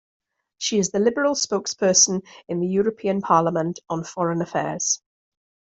She is the liberal spokesperson in the European Parliament on Foreign Affairs.